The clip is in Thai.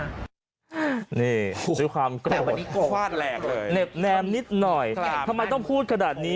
นี่ซื้อความโกรธเน็บแนมนิดหน่อยทำไมต้องพูดขนาดนี้